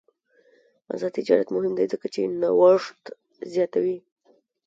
آزاد تجارت مهم دی ځکه چې نوښت زیاتوي.